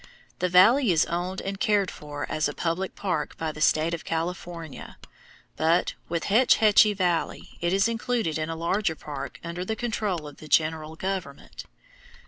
The valley is owned and cared for as a public park by the state of California, but, with Hetch Hetchy Valley, it is included in a larger park under the control of the general government.